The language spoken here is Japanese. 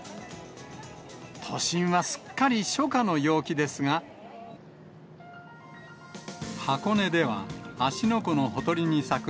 都心はすっかり初夏の陽気ですが、箱根では、芦ノ湖のほとりに咲く